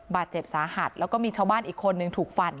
บาดเจ็บสาหัสแล้วก็มีชาวบ้านอีกคนนึงถูกฟัน